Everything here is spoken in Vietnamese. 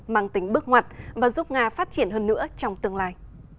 mang tính bước ngoặt và giúp nga phát triển hơn nữa trong tương lai